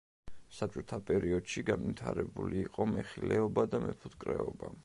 საბჭოთა პერიოდში განვითარებული იყო მეხილეობა და მეფუტკრეობა.